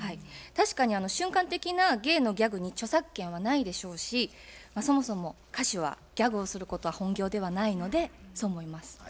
確かに瞬間的な芸のギャグに著作権はないでしょうしそもそも歌手はギャグをすることは本業ではないのでそう思います。